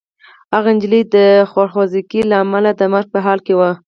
هغه نجلۍ د خوارځواکۍ له امله د مرګ په حال کې وه.